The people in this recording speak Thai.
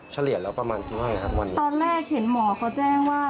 เฉลี่ยอะไรวะประมาณที่ไหนค่ะวันนี้ตอนแรกเห็นหมอก็แจ้งว่า